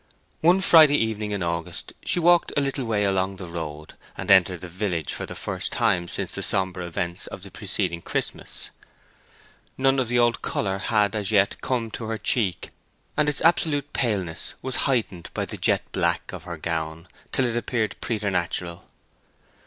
One Friday evening in August she walked a little way along the road and entered the village for the first time since the sombre event of the preceding Christmas. None of the old colour had as yet come to her cheek, and its absolute paleness was heightened by the jet black of her gown, till it appeared preternatural.